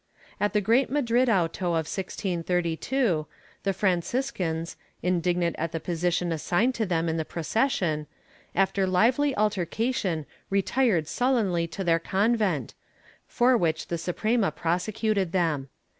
At the great Madrid auto of 1632, the Franciscans, indignant at the position assigned to them in the procession, after lively altercation, retired sullenly to their convent, for which the Suprema prosecuted them.